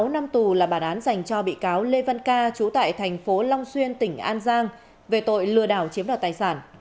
một mươi năm tù là bản án dành cho bị cáo lê văn ca trú tại thành phố long xuyên tỉnh an giang về tội lừa đảo chiếm đoạt tài sản